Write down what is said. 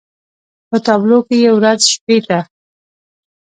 په تابلو کې يې ورځ شپې ته